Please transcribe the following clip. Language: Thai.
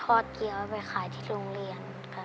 อดเกี้ยวไปขายที่โรงเรียนค่ะ